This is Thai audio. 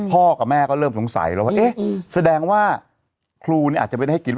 กับแม่ก็เริ่มสงสัยแล้วว่าเอ๊ะแสดงว่าครูเนี่ยอาจจะไม่ได้ให้กิน